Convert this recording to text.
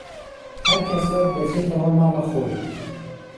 هەرکەسە دەچێتەوە ماڵەخۆی